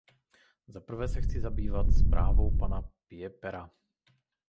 Za prvé se chci zabývat zprávou pana Piepera.